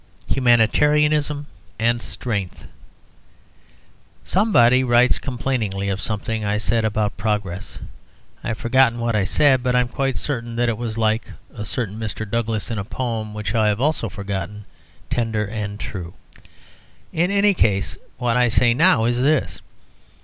HUMANITARIANISM AND STRENGTH Somebody writes complaining of something I said about progress. I have forgotten what I said, but I am quite certain that it was (like a certain Mr. Douglas in a poem which I have also forgotten) tender and true. In any case, what I say now is this.